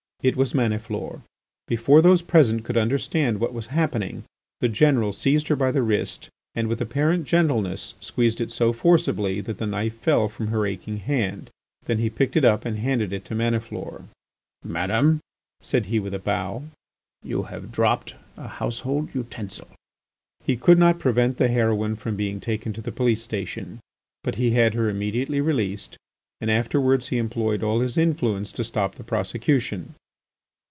It was Maniflore. Before those present could understand what was happening, the general seized her by the wrist, and with apparent gentleness, squeezed it so forcibly that the knife fell from her aching hand. Then he picked it up and handed it to Maniflore. "Madam," said he with a bow, "you have dropped a household utensil." He could not prevent the heroine from being taken to the police station; but he had her immediately released and afterwards he employed all his influence to stop the prosecution.